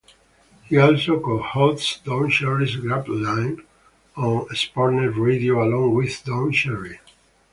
He also co-hosts "Don Cherry's Grapeline" on Sportsnet Radio, along with Don Cherry.